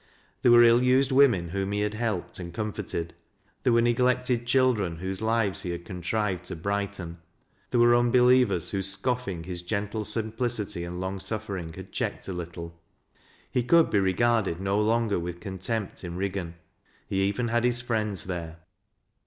There were ill used women whom he had helped and comforted ; there were neglected children whose lives he had contrived to brighten ; there were unbelievers whose scofiing his gen tie simplicity and long suffering had checked a little. He could be regarded no longer with contempt in Eiggan ; he even had his friends there.